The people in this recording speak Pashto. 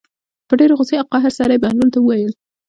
په ډېرې غوسې او قهر سره یې بهلول ته وویل.